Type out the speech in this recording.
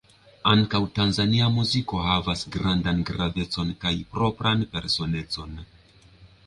Ankaŭ Tanzania muziko havas grandan gravecon kaj propran personecon.